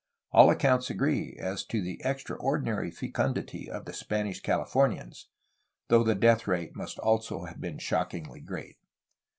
All accounts agree as to the extraordinary fecundity of the Spanish Calif ornians, though the death rate must also have been shockingly great.